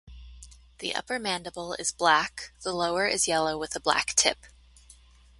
The upper mandible is black, the lower is yellow with a black tip.